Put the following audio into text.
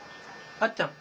あっちゃん。